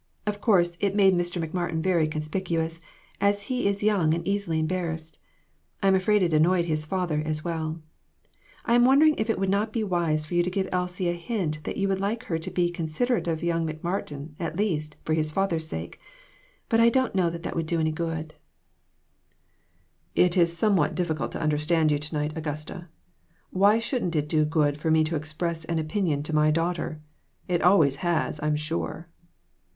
Of course it made Mr. McMartin very conspicuous, as he is young and easily embarrassed. I am afraid it annoyed his father, as well. I am won dering if it would not be wise for you to give Elsie a hint that you would like her to be consid erate of young McMartin, at least, for his father's sake; but I do not know that it would do any good." 250 READY TO MAKE SACRIFICES. "It is somewhat difficult to understand you to night, Augusta. Why shouldn't it do good for me to express an opinion to my daughter? It always has, I am sure."